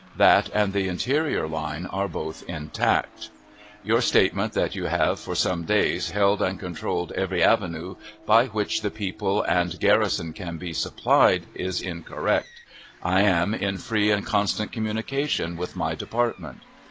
That and the interior line are both intact. Your statement that you have, for some days, held and controlled every avenue by which the people and garrison can be supplied, is incorrect. I am in free and constant communication with my department.